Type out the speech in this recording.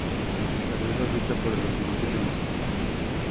Tras esto, ficha por el Lokomotiv de Moscú.